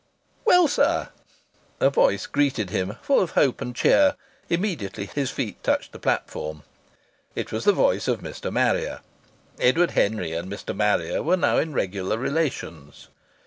"Well, sir!" a voice greeted him full of hope and cheer, immediately his feet touched the platform. It was the voice of Mr. Marrier. Edward Henry and Mr. Marrier were now in regular relations.